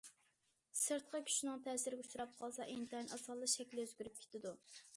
سىرتقى كۈچنىڭ تەسىرىگە ئۇچراپ قالسا ئىنتايىن ئاسانلا شەكلى ئۆزگىرىپ كېتىدۇ.